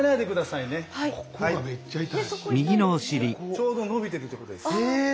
ちょうど伸びてるっていうことです。